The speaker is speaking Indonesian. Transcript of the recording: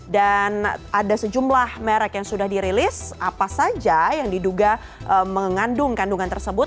dan ada sejumlah merek yang sudah dirilis apa saja yang diduga mengandung kandungan tersebut